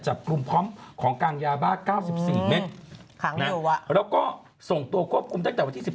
จับกลุ่มพร้อมของกลางยาบ้า๙๔เมตรแล้วก็ส่งตัวควบคุมตั้งแต่วันที่๑๔